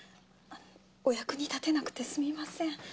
お役に立てなくてすみません。